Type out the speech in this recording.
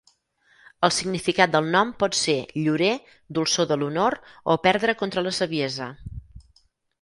El significat del nom pot ser "llorer", "dolçor de l'honor" o "perdre contra la saviesa".